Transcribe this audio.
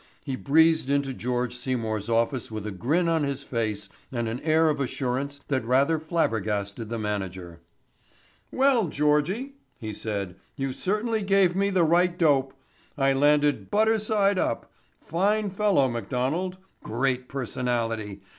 He breezed into George Seymour's office with a grin on his face and an air of assurance that rather flabbergasted the manager. "Well, Georgie," he said, "you certainly gave me the right dope. I landed buttered side up. Fine fellow, McDonald. Great personality.